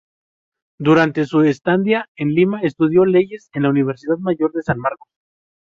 Durante su estadía en Lima, estudió Leyes en la Universidad Mayor de San Marcos.